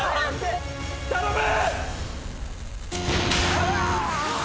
頼む！